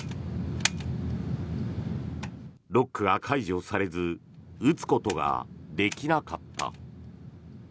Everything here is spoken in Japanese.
ロックが解除されず撃つことができなかった。